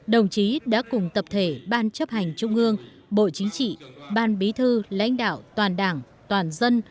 đồng chí đã cùng tập thể ban chấp hành trung ương bộ chính trị ban bí thư lãnh đạo toàn đảng toàn dân